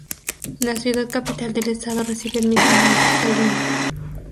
La ciudad capital del estado recibe el mismo nombre: Colima.